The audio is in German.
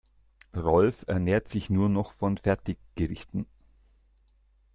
Rolf ernährt sich nur noch von Fertiggerichten.